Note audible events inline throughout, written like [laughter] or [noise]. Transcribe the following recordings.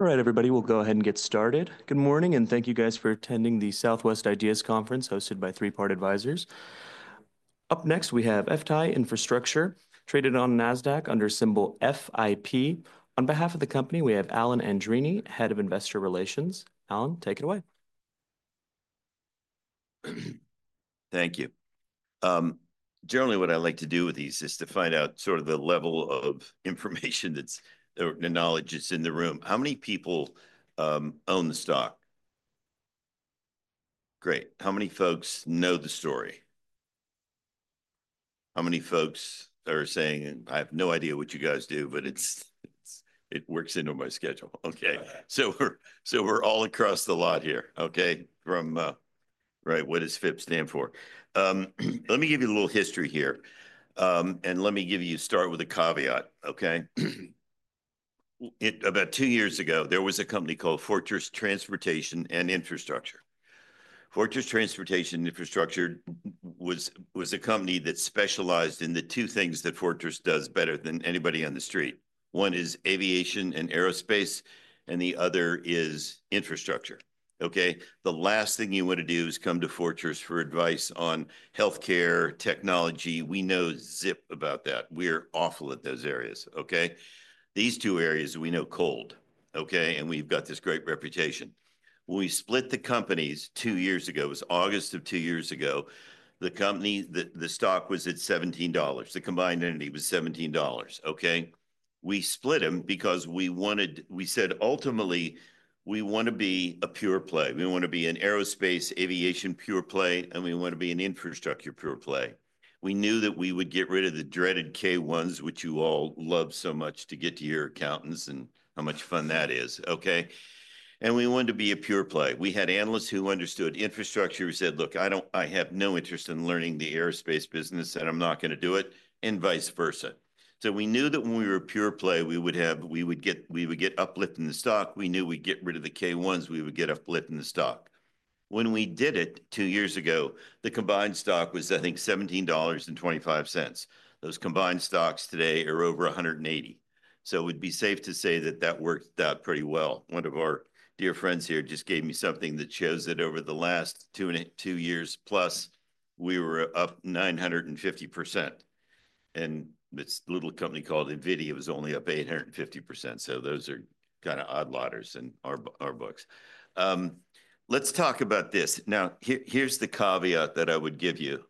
All right, everybody, we'll go ahead and get started. Good morning, and thank you guys for attending the Southwest Ideas Conference hosted by Three Part Advisors. Up next, we have FTAI Infrastructure, traded on Nasdaq under symbol FIP. On behalf of the company, we have Alan Andreini, Head of Investor Relations. Alan, take it away. Thank you. Generally, what I like to do with these is to find out sort of the level of information that's the knowledge that's in the room. How many people own the stock? Great. How many folks know the story? How many folks are saying, I have no idea what you guys do, but it works into my schedule? Okay. So we're all across the lot here. Okay. Right. What does FIP stand for? Let me give you a little history here, and let me give you start with a caveat. Okay. About two years ago, there was a company called Fortress Transportation and Infrastructure. Fortress Transportation Infrastructure was a company that specialized in the two things that Fortress does better than anybody on the street. One is aviation and aerospace, and the other is infrastructure. Okay. The last thing you want to do is come to Fortress for advice on healthcare, technology. We know zip about that. We're awful at those areas. Okay. These two areas, we know cold. Okay. And we've got this great reputation. When we split the companies two years ago, it was August of two years ago, the stock was at $17. The combined entity was $17. Okay. We split them because we wanted, we said ultimately we want to be a pure play. We want to be an aerospace, aviation pure play, and we want to be an infrastructure pure play. We knew that we would get rid of the dreaded K-1s, which you all love so much to get to your accountants and how much fun that is. Okay. And we wanted to be a pure play. We had analysts who understood infrastructure who said, Look, I have no interest in learning the aerospace business, and I'm not going to do it," and vice versa. So we knew that when we were a pure play, we would get uplift in the stock. We knew we'd get rid of the K-1s, we would get uplift in the stock. When we did it two years ago, the combined stock was, I think, $17.25. Those combined stocks today are over $180. So it would be safe to say that that worked out pretty well. One of our dear friends here just gave me something that shows that over the last two years plus, we were up 950%. And this little company called NVIDIA was only up 850%. So those are kind of outliers in our books. Let's talk about this. Now, here's the caveat that I would give you.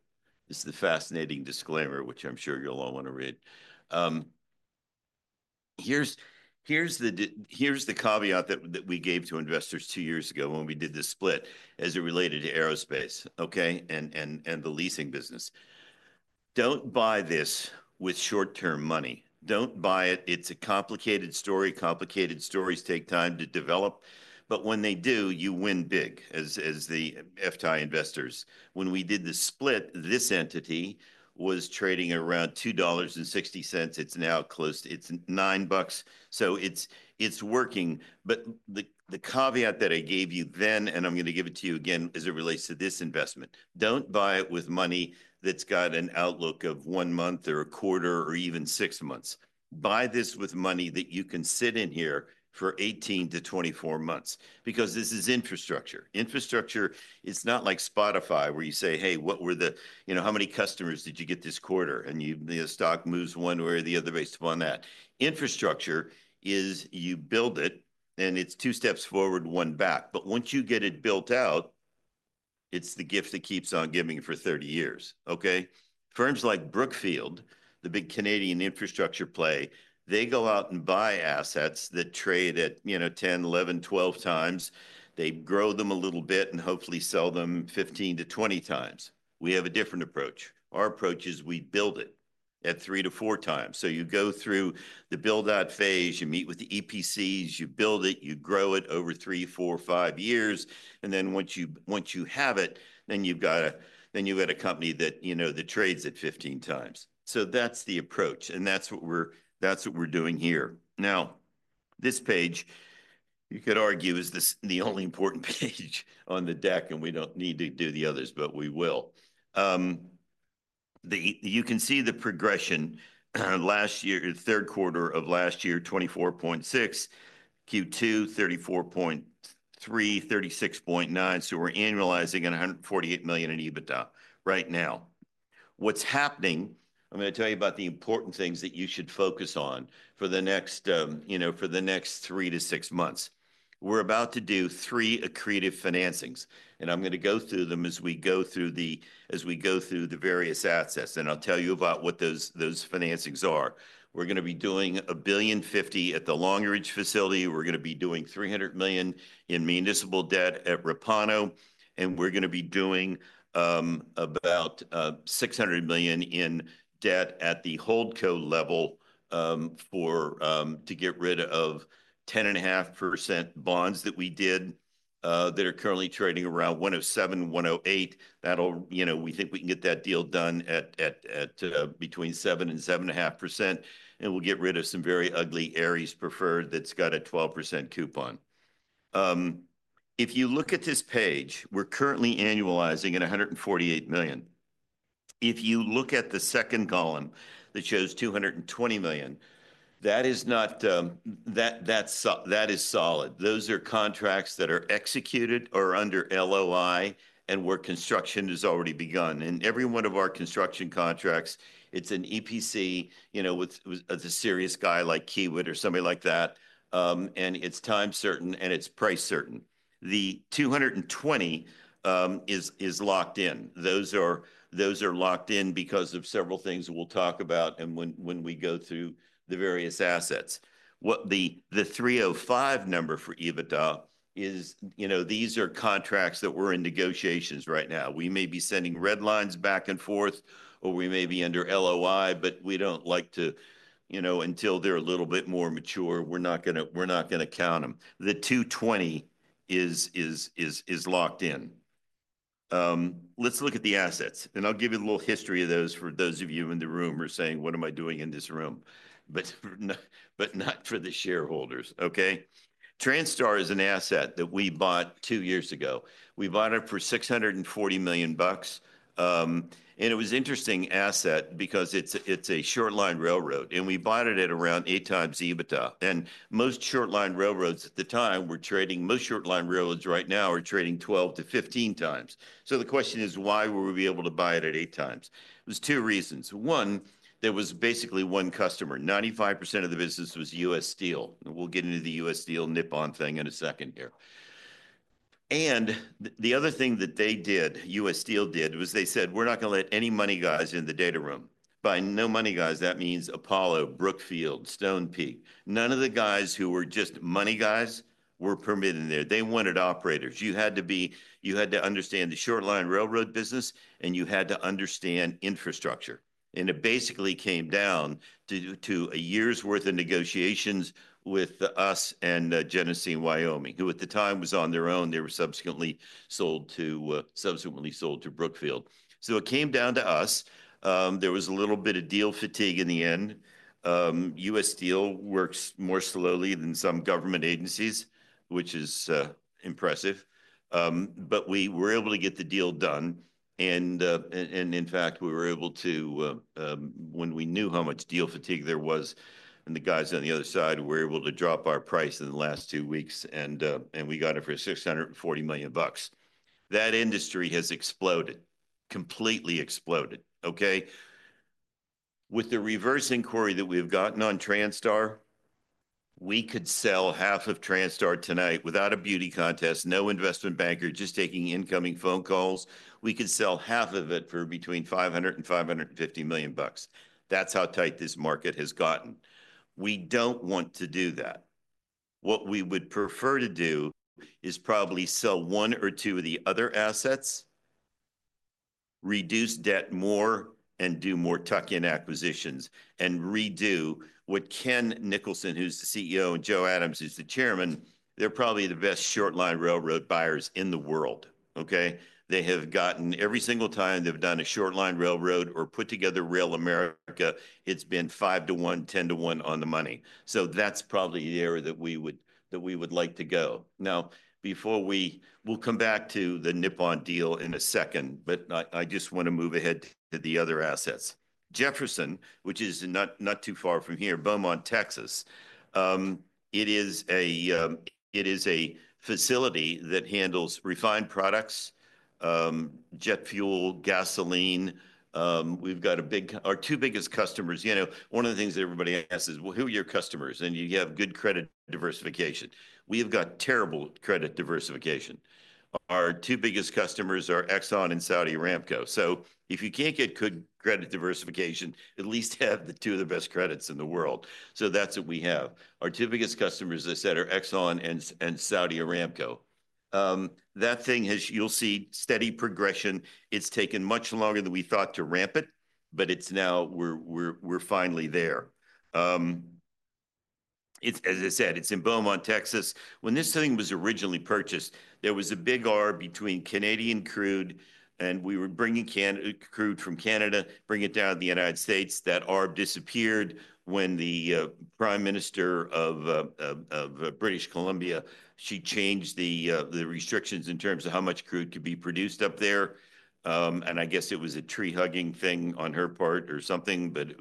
This is the fascinating disclaimer, which I'm sure you'll all want to read. Here's the caveat that we gave to investors two years ago when we did the split as it related to aerospace, okay, and the leasing business. Don't buy this with short-term money. Don't buy it. It's a complicated story. Complicated stories take time to develop. But when they do, you win big as the FTAI investors. When we did the split, this entity was trading around $2.60. It's now close to $9. So it's working. But the caveat that I gave you then, and I'm going to give it to you again as it relates to this investment, don't buy it with money that's got an outlook of one month or a quarter or even six months. Buy this with money that you can sit in here for 18-24 months because this is infrastructure. Infrastructure, it's not like Spotify where you say, Hey, what were the, how many customers did you get this quarter?" And the stock moves one way or the other based upon that. Infrastructure is you build it, and it's two steps forward, one back. But once you get it built out, it's the gift that keeps on giving for 30 years. Okay. Firms like Brookfield, the big Canadian infrastructure play, they go out and buy assets that trade at 10, 11, 12 times. They grow them a little bit and hopefully sell them 15-20 times. We have a different approach. Our approach is we build it at three to four times. So you go through the build-out phase, you meet with the EPCs, you build it, you grow it over three, four, five years. And then once you have it, then you've got a company that trades at 15 times. So that's the approach, and that's what we're doing here. Now, this page, you could argue, is the only important page on the deck, and we don't need to do the others, but we will. You can see the progression last year, third quarter of last year, 24.6, Q2, 34.3, 36.9. So we're annualizing at $148 million in EBITDA right now. What's happening? I'm going to tell you about the important things that you should focus on for the next three to six months. We're about to do three accretive financings, and I'm going to go through them as we go through the various assets, and I'll tell you about what those financings are. We're going to be doing $1.05 billion at the Long Ridge facility. We're going to be doing $300 million in municipal debt at Repauno, and we're going to be doing about $600 million in debt at the Holdco level to get rid of 10.5% bonds that we did that are currently trading around 107-108. We think we can get that deal done at between 7%-7.5%, and we'll get rid of some very ugly Ares preferred that's got a 12% coupon. If you look at this page, we're currently annualizing at $148 million. If you look at the second column that shows $220 million, that is not—that is solid. Those are contracts that are executed or under LOI, and where construction has already begun, and every one of our construction contracts, it's an EPC with a serious guy like Kiewit or somebody like that, and it's time certain and it's price certain. The 220 is locked in. Those are locked in because of several things we'll talk about when we go through the various assets. The 305 number for EBITDA is these are contracts that we're in negotiations right now. We may be sending red lines back and forth, or we may be under LOI, but we don't like to, until they're a little bit more mature, we're not going to count them. The 220 is locked in. Let's look at the assets, and I'll give you a little history of those for those of you in the room who are saying, What am I doing in this room? But not for the shareholders. Okay. Transtar is an asset that we bought two years ago. We bought it for $640 million. And it was an interesting asset because it's a short-line railroad, and we bought it at around eight times EBITDA. And most short-line railroads at the time were trading, most short-line railroads right now are trading 12-15 times. So the question is, why were we able to buy it at eight times? There were two reasons. One, there was basically one customer. 95% of the business was U.S. Steel. We'll get into the U.S. Steel Nippon thing in a second here. And the other thing that they did, U.S. Steel did, was they said, "We're not going to let any money guys in the data room." By no money guys, that means Apollo, Brookfield, Stonepeak. None of the guys who were just money guys were permitted in there. They wanted operators. You had to understand the short-line railroad business, and you had to understand infrastructure. And it basically came down to a year's worth of negotiations with us and Genesee & Wyoming, who at the time was on their own. They were subsequently sold to Brookfield. So it came down to us. There was a little bit of deal fatigue in the end. U.S. Steel works more slowly than some government agencies, which is impressive. But we were able to get the deal done. And in fact, we were able to, when we knew how much deal fatigue there was, and the guys on the other side were able to drop our price in the last two weeks, and we got it for $640 million. That industry has exploded, completely exploded. Okay. With the reverse inquiry that we've gotten on Transtar, we could sell half of Transtar tonight without a beauty contest, no investment banker, just taking incoming phone calls. We could sell half of it for between $500 million and $550 million. That's how tight this market has gotten. We don't want to do that. What we would prefer to do is probably sell one or two of the other assets, reduce debt more, and do more tuck-in acquisitions and redo what Ken Nicholson, who's the CEO, and Joe Adams, who's the chairman, they're probably the best short-line railroad buyers in the world. Okay. They have gotten every single time they've done a short-line railroad or put together RailAmerica, it's been five to one, 10-1 on the money. So that's probably the area that we would like to go. Now, before we'll come back to the Nippon deal in a second, but I just want to move ahead to the other assets. Jefferson, which is not too far from here, Beaumont, Texas. It is a facility that handles refined products, jet fuel, gasoline. We've got our two biggest customers. One of the things that everybody asks is, Well, who are your customers? You have good credit diversification. We have got terrible credit diversification. Our two biggest customers are Exxon and Saudi Aramco. So if you can't get good credit diversification, at least have the two of the best credits in the world. So that's what we have. Our two biggest customers, as I said, are Exxon and Saudi Aramco. That thing has. You'll see steady progression. It's taken much longer than we thought to ramp it, but now we're finally there. As I said, it's in Beaumont, Texas. When this thing was originally purchased, there was a big ARB between Canadian crude, and we were bringing crude from Canada, bringing it down to the United States. That ARB disappeared when the Prime Minister of British Columbia, she changed the restrictions in terms of how much crude could be produced up there. And I guess it was a tree-hugging thing on her part or something, but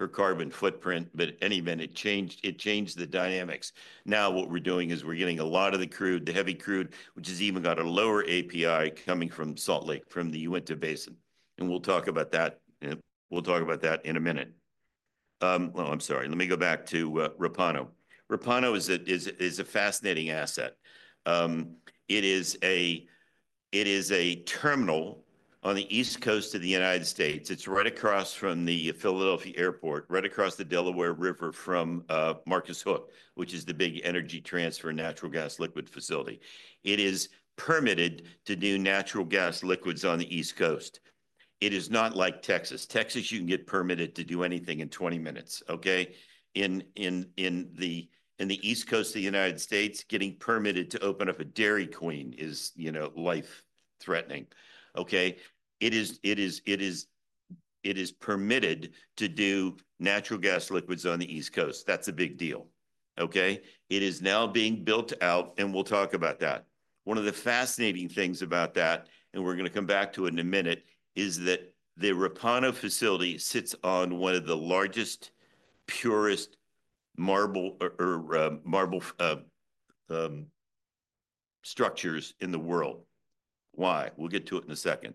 her carbon footprint. But in any event, it changed the dynamics. Now what we're doing is we're getting a lot of the crude, the heavy crude, which has even got a lower API coming from Salt Lake, from the Uinta Basin. And we'll talk about that. We'll talk about that in a minute. Well, I'm sorry. Let me go back to Repauno. Repauno is a fascinating asset. It is a terminal on the East Coast of the United States. It's right across from the Philadelphia Airport, right across the Delaware River from Marcus Hook, which is the big energy transfer natural gas liquids facility. It is permitted to do natural gas liquids on the East Coast. It is not like Texas. Texas, you can get permitted to do anything in 20 minutes. Okay. In the East Coast of the United States, getting permitted to open up a Dairy Queen is life-threatening. Okay. It is permitted to do natural gas liquids on the East Coast. That's a big deal. Okay. It is now being built out, and we'll talk about that. One of the fascinating things about that, and we're going to come back to it in a minute, is that the Repauno facility sits on one of the largest, purest marble structures in the world. Why? We'll get to it in a second.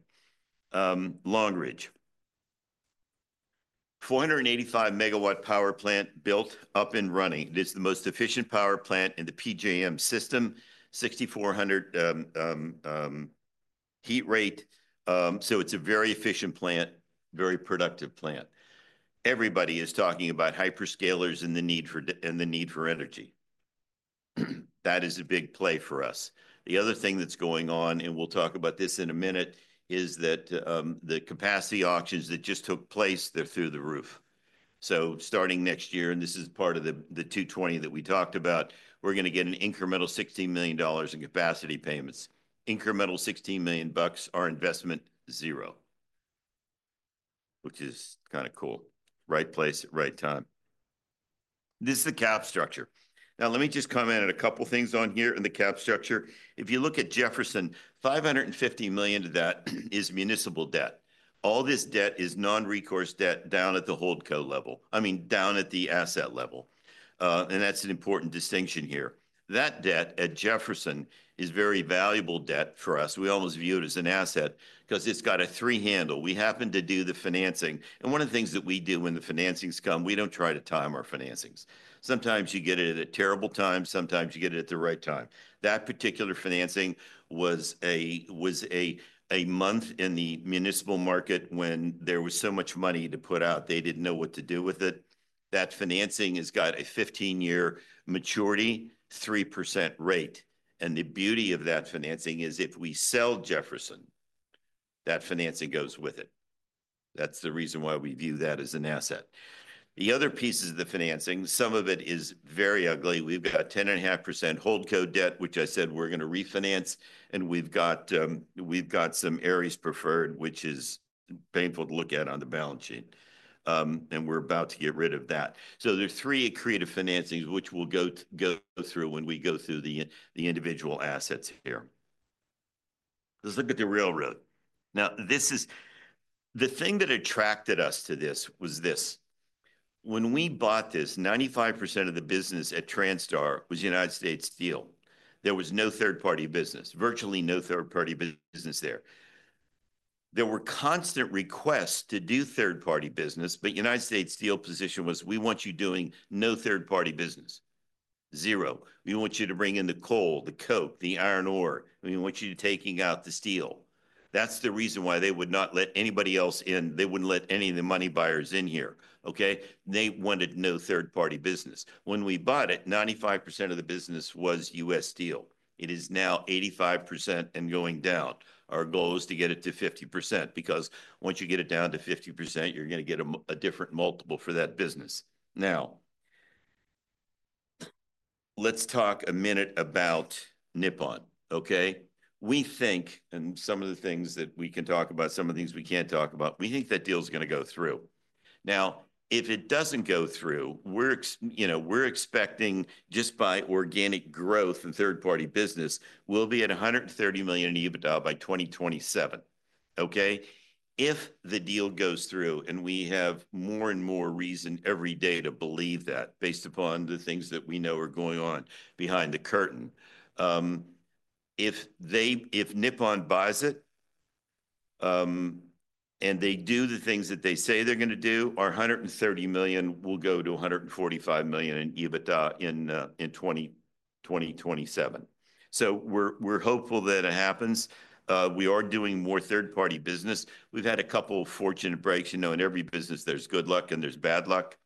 Longridge. 485 MW power plant built up and running. It is the most efficient power plant in the PJM system, 6,400 heat rate. So it's a very efficient plant, very productive plant. Everybody is talking about hyperscalers and the need for energy. That is a big play for us. The other thing that's going on, and we'll talk about this in a minute, is that the capacity auctions that just took place, they're through the roof. So starting next year, and this is part of the 220 that we talked about, we're going to get an incremental $16 million in capacity payments. Incremental $16 million, our investment zero, which is kind of cool. Right place, right time. This is the cap structure. Now, let me just comment on a couple of things on here in the cap structure. If you look at Jefferson, $550 million of that is municipal debt. All this debt is non-recourse debt down at the Holdco level. I mean, down at the asset level, and that's an important distinction here. That debt at Jefferson is very valuable debt for us. We almost view it as an asset because it's got a three-handle. We happen to do the financing. And one of the things that we do when the financings come, we don't try to time our financings. Sometimes you get it at a terrible time. Sometimes you get it at the right time. That particular financing was a month in the municipal market when there was so much money to put out, they didn't know what to do with it. That financing has got a 15-year maturity, 3% rate. And the beauty of that financing is if we sell Jefferson, that financing goes with it. That's the reason why we view that as an asset. The other pieces of the financing, some of it is very ugly. We've got 10.5% Holdco debt, which I said we're going to refinance. We've got some Ares preferred, which is painful to look at on the balance sheet. We're about to get rid of that. There's three accretive financings, which we'll go through when we go through the individual assets here. Let's look at the railroad. Now, the thing that attracted us to this was this. When we bought this, 95% of the business at Transtar was United States Steel. There was no third-party business, virtually no third-party business there. There were constant requests to do third-party business, but United States Steel's position was, We want you doing no third-party business, zero. We want you to bring in the coal, the coke, the iron ore. We want you taking out the steel. That's the reason why they would not let anybody else in. They wouldn't let any of the money buyers in here. Okay. They wanted no third-party business. When we bought it, 95% of the business was U.S. Steel. It is now 85% and going down. Our goal is to get it to 50% because once you get it down to 50%, you're going to get a different multiple for that business. Now, let's talk a minute about Nippon. Okay. We think, and some of the things that we can talk about, some of the things we can't talk about, we think that deal is going to go through. Now, if it doesn't go through, we're expecting just by organic growth and third-party business, we'll be at $130 million in EBITDA by 2027. Okay. If the deal goes through, and we have more and more reason every day to believe that based upon the things that we know are going on behind the curtain, if Nippon buys it and they do the things that they say they're going to do, our $130 million will go to $145 million in EBITDA in 2027. So we're hopeful that it happens. We are doing more third-party business. We've had a couple of fortunate breaks. In every business, there's good luck and there's bad luck.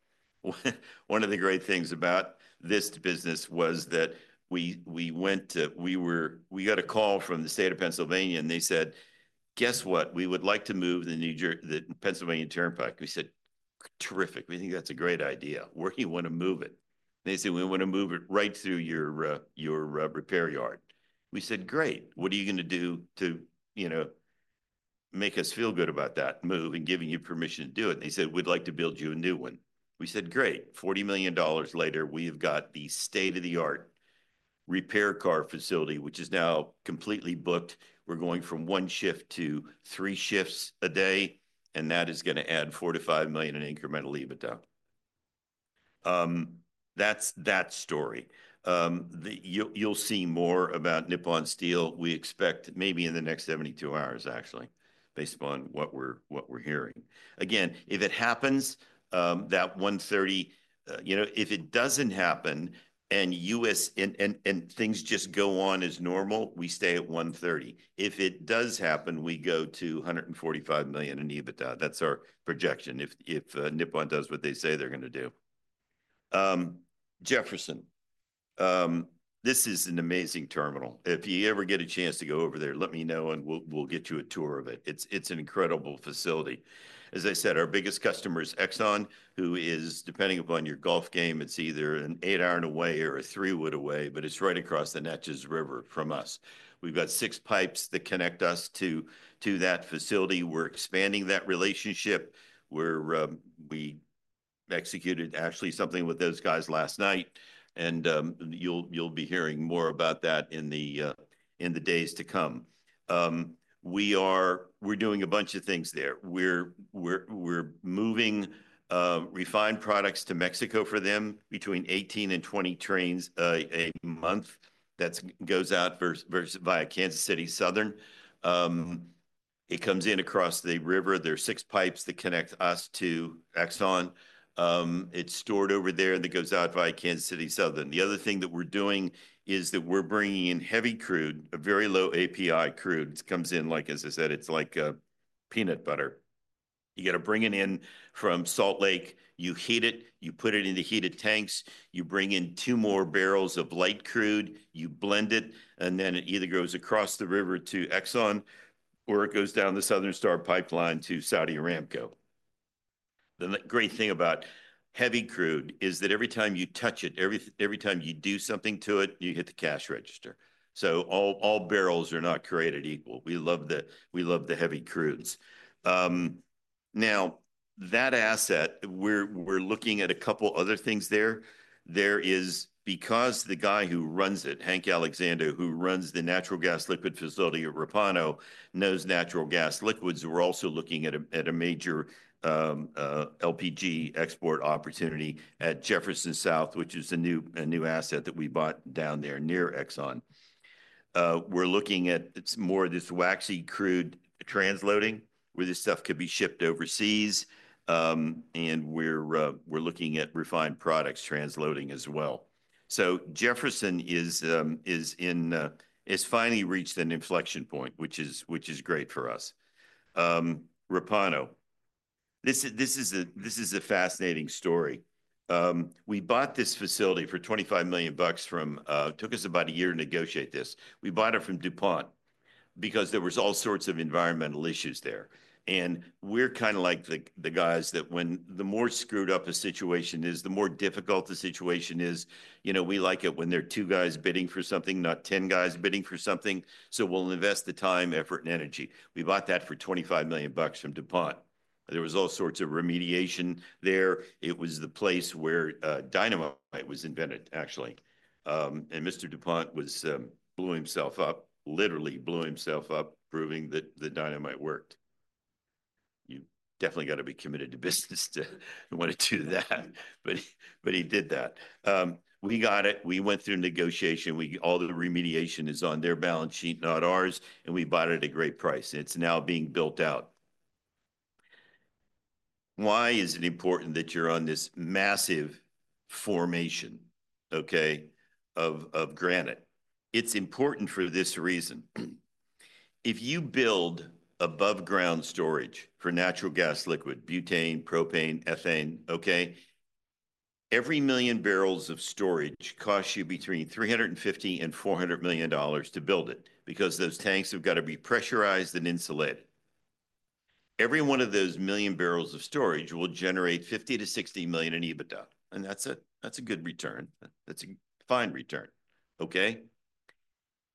One of the great things about this business was that we got a call from the state of Pennsylvania, and they said, Guess what? We would like to move the Pennsylvania Turnpike. We said, Terrific. We think that's a great idea. Where do you want to move it?" They said, We want to move it right through your repair yard. We said, Great. What are you going to do to make us feel good about that move and giving you permission to do it? They said, We'd like to build you a new one. We said, Great. $40 million later, we have got the state-of-the-art repair car facility, which is now completely booked. We're going from one shift to three shifts a day, and that is going to add $4 million-$5 million in incremental EBITDA. That's that story. You'll see more about Nippon Steel. We expect maybe in the next 72 hours, actually, based upon what we're hearing. Again, if it happens, that $130 million, if it doesn't happen and things just go on as normal, we stay at $130 million. If it does happen, we go to $145 million in EBITDA. That's our projection if Nippon does what they say they're going to do. Jefferson. This is an amazing terminal. If you ever get a chance to go over there, let me know, and we'll get you a tour of it. It's an incredible facility. As I said, our biggest customer is Exxon, who is, depending upon your golf game, it's either an eight-iron away or a three-wood away, but it's right across the Neches River from us. We've got six pipes that connect us to that facility. We're expanding that relationship. We executed, actually, something with those guys last night, and you'll be hearing more about that in the days to come. We're doing a bunch of things there. We're moving refined products to Mexico for them between 18 and 20 trains a month that goes out via Kansas City Southern. It comes in across the river. There are six pipes that connect us to Exxon. It's stored over there that goes out via Kansas City Southern. The other thing that we're doing is that we're bringing in heavy crude, a very low API crude. It comes in, like as I said, it's like peanut butter. You got to bring it in from Salt Lake. You heat it. You put it in the heated tanks. You bring in two more barrels of light crude. You blend it, and then it either goes across the river to Exxon or it goes down the Southern Star Pipeline to Saudi Aramco. The great thing about heavy crude is that every time you touch it, every time you do something to it, you hit the cash register. So all barrels are not created equal. We love the heavy crudes. Now, that asset, we're looking at a couple of other things there. Because the guy who runs it, Hank Alexander, who runs the natural gas liquid facility at Repauno, knows natural gas liquids, we're also looking at a major LPG export opportunity at Jefferson South, which is a new asset that we bought down there near Exxon. We're looking at more of this waxy crude transloading, where this stuff could be shipped overseas, and we're looking at refined products transloading as well. Jefferson is finally reached an inflection point, which is great for us. Repauno. This is a fascinating story. We bought this facility for $25 million. It took us about a year to negotiate this. We bought it from DuPont because there were all sorts of environmental issues there, and we're kind of like the guys that when the more screwed up a situation is, the more difficult the situation is. We like it when there are two guys bidding for something, not 10 guys bidding for something. So we'll invest the time, effort, and energy. We bought that for $25 million from DuPont. There was all sorts of remediation there. It was the place where dynamite was invented, actually. And Mr. DuPont blew himself up, literally blew himself up, proving that the dynamite worked. You definitely got to be committed to business to want to do that. But he did that. We got it. We went through negotiation. All the remediation is on their balance sheet, not ours. And we bought it at a great price. It's now being built out. Why is it important that you're on this massive formation of granite? It's important for this reason. If you build above-ground storage for natural gas liquid, butane, propane, ethane, okay, every million barrels of storage costs you between $350 and $400 million to build it because those tanks have got to be pressurized and insulated. Every one of those million barrels of storage will generate 50-60 million in EBITDA. And that's it, that's a good return. That's a fine return. Okay.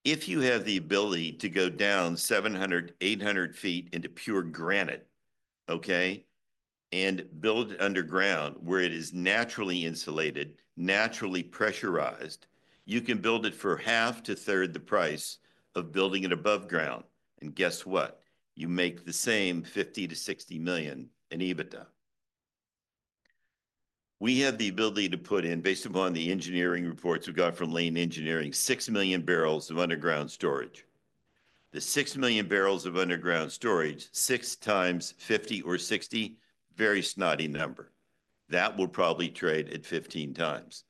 If you have the ability to go down 700-800 feet into pure granite, okay, and build it underground where it is naturally insulated, naturally pressurized, you can build it for half to third the price of building it above ground. And guess what? You make the same 50-60 million in EBITDA. We have the ability to put in, based upon the engineering reports we got from Lane Engineering, 6 million barrels of underground storage. The 6 million barrels of underground storage, 6 times 50 or 60, very snotty number. That will probably trade at 15 times.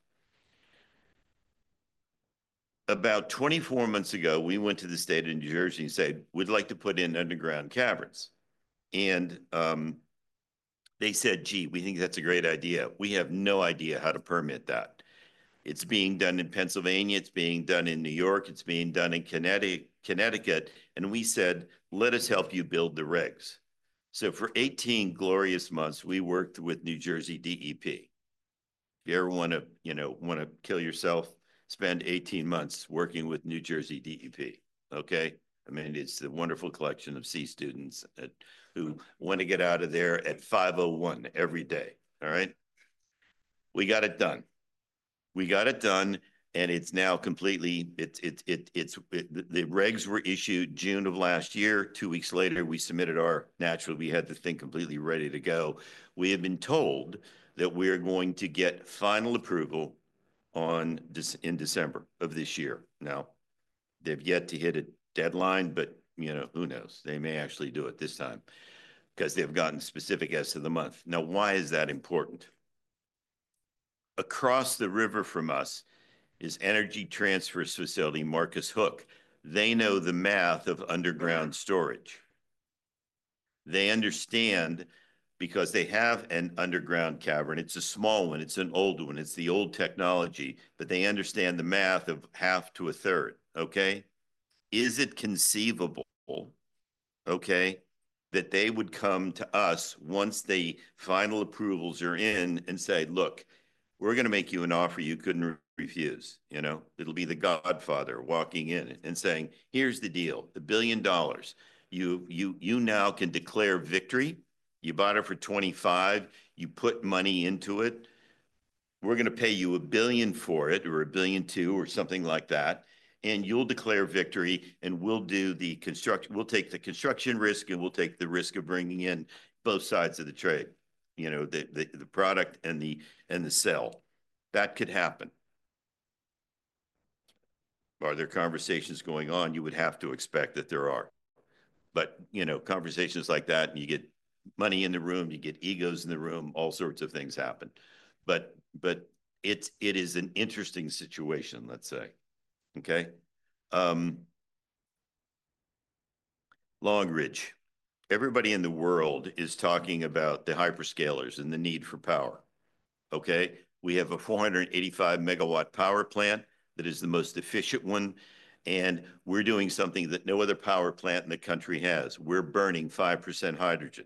About 24 months ago, we went to the state of New Jersey and said, "We'd like to put in underground caverns." And they said, Gee, we think that's a great idea. We have no idea how to permit that. It's being done in Pennsylvania. It's being done in New York. It's being done in Connecticut. And we said, Let us help you build the rigs. So for 18 glorious months, we worked with New Jersey DEP. If you ever want to kill yourself, spend 18 months working with New Jersey DEP. Okay? I mean, it's the wonderful collection of C-students who want to get out of there at 5:01 every day. All right? We got it done. We got it done. It's now completely permitted. The permits were issued June of last year. Two weeks later, we submitted our application. We had the thing completely ready to go. We have been told that we are going to get final approval in December of this year. Now, they've yet to hit a deadline, but who knows? They may actually do it this time because they've gotten specifics as of the month. Now, why is that important? Across the river from us is Energy Transfer's facility, Marcus Hook. They know the math of underground storage. They understand because they have an underground cavern. It's a small one. It's an old one. It's the old technology, but they understand the math of half to a third. Okay? Is it conceivable that they would come to us once the final approvals are in and say, Look, we're going to make you an offer you couldn't refuse? It'll be the godfather walking in and saying, Here's the deal. $1 billion. You now can declare victory. You bought it for 25. You put money into it. We're going to pay you a billion for it or $1.2 billion or something like that. And you'll declare victory, and we'll take the construction risk, and we'll take the risk of bringing in both sides of the trade, the product and the sale. That could happen. Are there conversations going on? You would have to expect that there are. But conversations like that, and you get money in the room, you get egos in the room, all sorts of things happen. But it is an interesting situation, let's say. Okay? Long Ridge. Everybody in the world is talking about the hyperscalers and the need for power. Okay? We have a 485 MW power plant that is the most efficient one, and we're doing something that no other power plant in the country has. We're burning 5% hydrogen.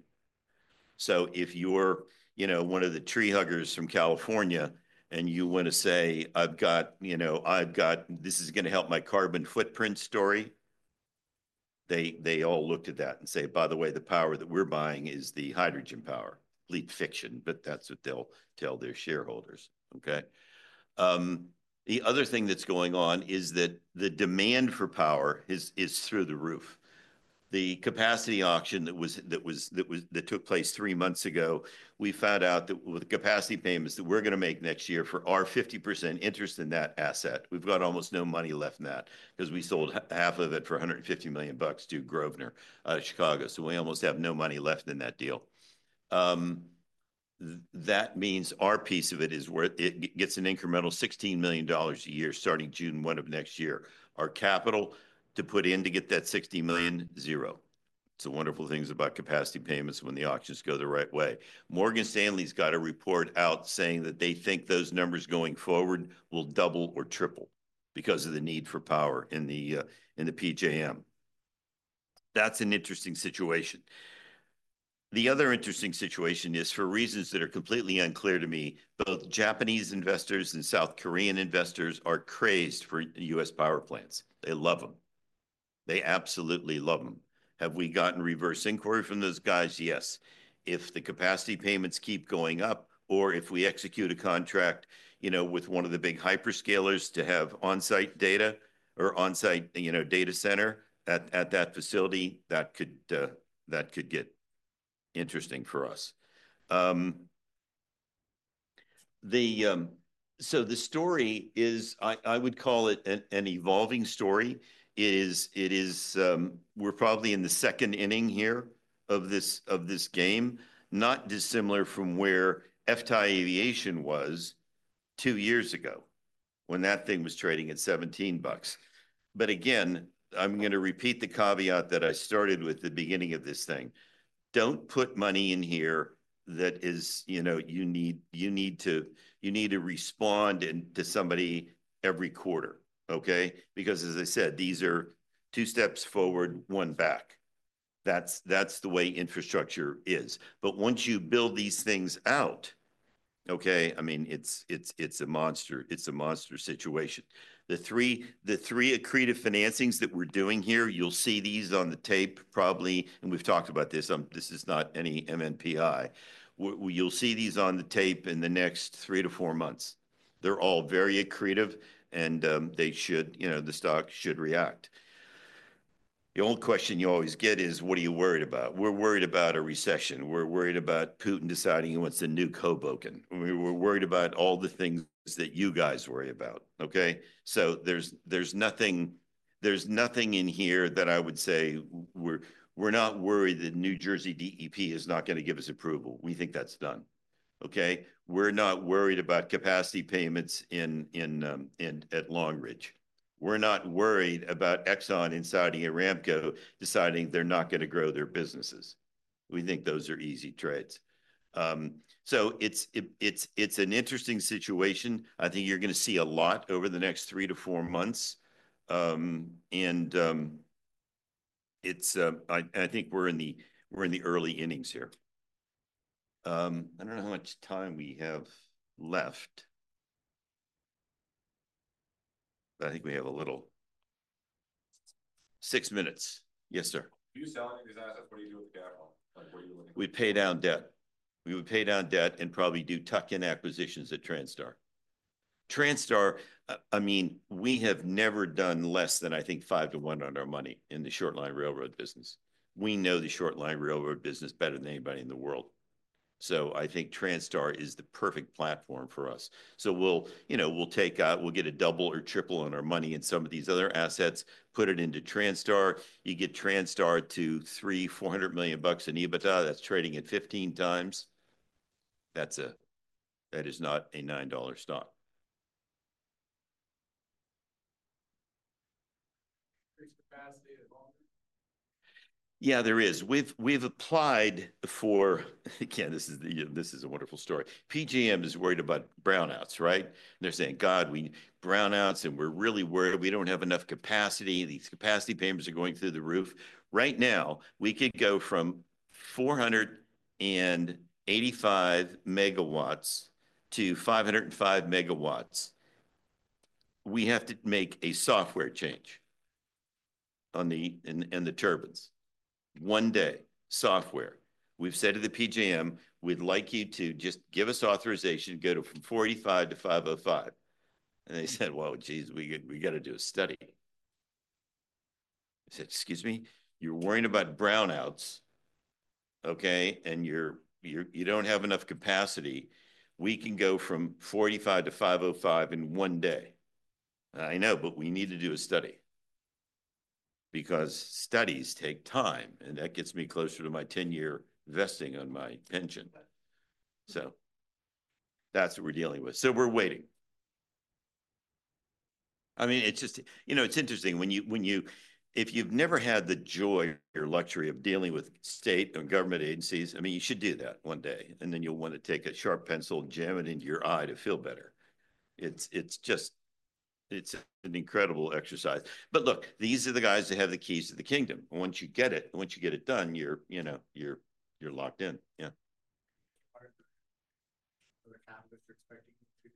So if you're one of the tree huggers from California and you want to say, I've got this is going to help my carbon footprint story they all looked at that and said, By the way, the power that we're buying is the hydrogen power. Leak fiction, but that's what they'll tell their shareholders. Okay? The other thing that's going on is that the demand for power is through the roof. The capacity auction that took place three months ago, we found out that with the capacity payments that we're going to make next year for our 50% interest in that asset, we've got almost no money left in that because we sold half of it for $150 million to Grosvenor, Chicago. So we almost have no money left in that deal. That means our piece of it is where it gets an incremental $16 million a year starting June 1 of next year. Our capital to put in to get that $60 million, zero. It's the wonderful things about capacity payments when the auctions go the right way. Morgan Stanley's got a report out saying that they think those numbers going forward will double or triple because of the need for power in the PJM. That's an interesting situation. The other interesting situation is for reasons that are completely unclear to me, both Japanese investors and South Korean investors are crazed for U.S. power plants. They love them. They absolutely love them. Have we gotten reverse inquiry from those guys? Yes. If the capacity payments keep going up or if we execute a contract with one of the big hyperscalers to have on-site data or on-site data center at that facility, that could get interesting for us. So the story is I would call it an evolving story. We're probably in the second inning here of this game, not dissimilar from where FTAI Aviation was two years ago when that thing was trading at $17. But again, I'm going to repeat the caveat that I started with the beginning of this thing. Don't put money in here that you need to respond to somebody every quarter. Okay? Because as I said, these are two steps forward, one back. That's the way infrastructure is. But once you build these things out, okay, I mean, it's a monster situation. The three accretive financings that we're doing here, you'll see these on the tape probably, and we've talked about this. This is not any MNPI. You'll see these on the tape in the next three to four months. They're all very accretive, and the stock should react. The only question you always get is, What are you worried about? We're worried about a recession. We're worried about Putin deciding he wants a new Hoboken. We're worried about all the things that you guys worry about. Okay? So there's nothing in here that I would say we're not worried that New Jersey DEP is not going to give us approval. We think that's done. Okay? We're not worried about capacity payments at Longridge. We're not worried about Exxon and Saudi Aramco deciding they're not going to grow their businesses. We think those are easy trades. So it's an interesting situation. I think you're going to see a lot over the next three to four months. And I think we're in the early innings here. I don't know how much time we have left, but I think we have a little six minutes. Yes, sir. Do you sell any of these assets? What do you do with the capital? What are you looking for? We pay down debt. We would pay down debt and probably do tuck-in acquisitions at Transtar. Transtar, I mean, we have never done less than, I think, five to one on our money in the short-line railroad business. We know the short-line railroad business better than anybody in the world. So I think Transtar is the perfect platform for us. So we'll take out, we'll get a double or triple on our money in some of these other assets, put it into Transtar. You get Transtar to $300 million-$400 million in EBITDA. That's trading at 15 times. That is not a $9 stock. There's capacity at Longridge? Yeah, there is. We've applied for, again, this is a wonderful story. PJM is worried about brownouts, right? And they're saying, God, we brownouts, and we're really worried. We don't have enough capacity. These capacity payments are going through the roof. Right now, we could go from 485 MW-505 MW. We have to make a software change on the turbines. One day, software. We've said to the PJM, We'd like you to just give us authorization to go from 45 to 505. And they said, Well, geez, we got to do a study We said, Excuse me, you're worried about brownouts, okay, and you don't have enough capacity. We can go from 45-505 in one day. I know, but we need to do a study because studies take time, and that gets me closer to my 10-year vesting on my pension, so that's what we're dealing with, so we're waiting, I mean, it's interesting. If you've never had the joy or luxury of dealing with state or government agencies, I mean, you should do that one day, and then you'll want to take a sharp pencil and jam it into your eye to feel better. It's an incredible exercise. But look, these are the guys that have the keys to the kingdom. Once you get it, once you get it done, you're locked in. Yeah. Are the capitalists expecting to?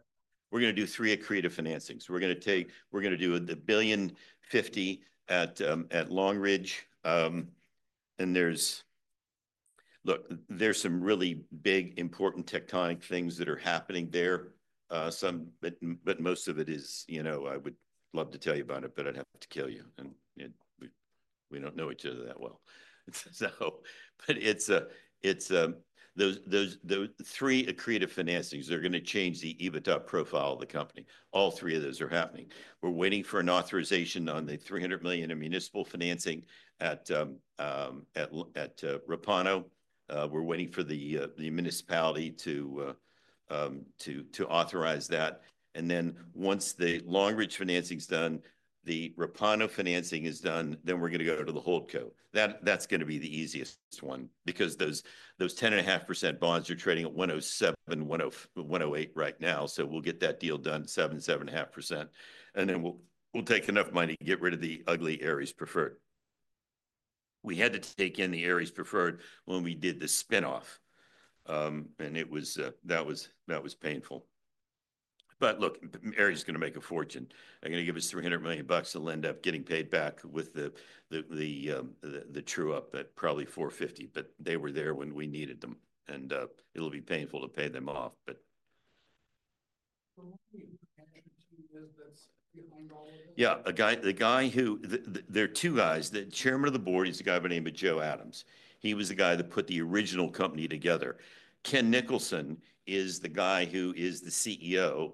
[audio distortion] We're going to do three accretive financings. We're going to do the $1.05 billion at Longridge. And look, there's some really big, important tectonic things that are happening there. But most of it is, I would love to tell you about it, but I'd have to kill you. And we don't know each other that well. But it's those three accretive financings. They're going to change the EBITDA profile of the company. All three of those are happening. We're waiting for an authorization on the $300 million in municipal financing at Repauno. We're waiting for the municipality to authorize that. Once the Longridge financing's done, the Repauno financing is done, then we're going to go to the Holdco. That's going to be the easiest one because those 10.5% bonds are trading at 107-108 right now. So we'll get that deal done, 7-7.5%. Then we'll take enough money to get rid of the ugly Ares preferred. We had to take in the Ares preferred when we did the spinoff. That was painful. But look, Ares is going to make a fortune. They're going to give us $300 million and end up getting paid back with the true-up at probably $450 million. But they were there when we needed them. It'll be painful to pay them off, but. The one you mentioned too is that's behind all of this? Yeah. The guy who—there are two guys. The chairman of the board is a guy by the name of Joe Adams. He was the guy that put the original company together. Ken Nicholson is the guy who is the CEO.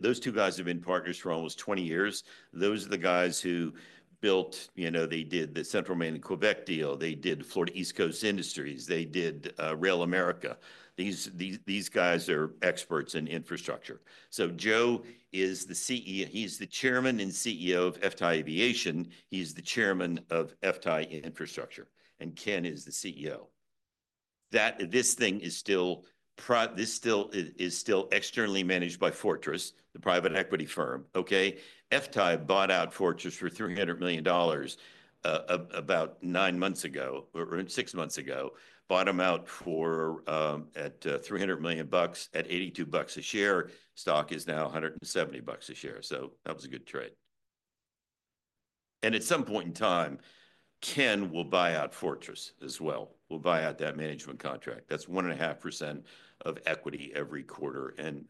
Those two guys have been partners for almost 20 years. Those are the guys who built. They did the Central Maine and Quebec deal. They did Florida East Coast Industries. They did RailAmerica. These guys are experts in infrastructure. So Joe is the CEO. He is the chairman and CEO of FTAI Aviation. He is the chairman of FTAI Infrastructure. And Ken is the CEO. This thing is still externally managed by Fortress, the private equity firm. Okay? FTAI bought out Fortress for $300 million about nine months ago or six months ago. Bought them out at $300 million at $82 a share. Stock is now $170 a share. So that was a good trade. And at some point in time, Ken will buy out Fortress as well. We'll buy out that management contract. That's 1.5% of equity every quarter and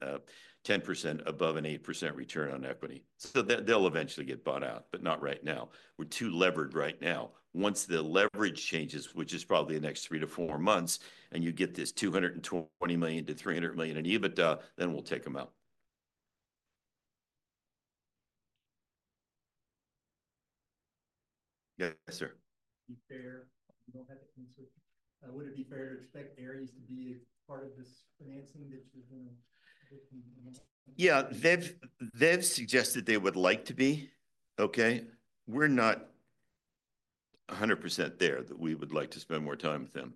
10% above an 8% return on equity. So they'll eventually get bought out, but not right now. We're too levered right now. Once the leverage changes, which is probably the next three to four months, and you get this $220 million-$300 million in EBITDA, then we'll take them out. Yes, sir. Be fair? You don't have to answer. Would it be fair to expect Ares to be a part of this financing that you're going to? Yeah. They've suggested they would like to be. Okay? We're not 100% there that we would like to spend more time with them.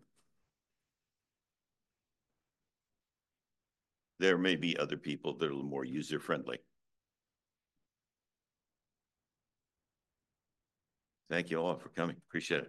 There may be other people that are a little more user-friendly. Thank you all for coming. Appreciate it.